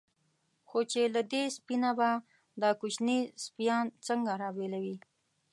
خو چې له دې سپۍ نه به دا کوچني سپیان څنګه را بېلوي.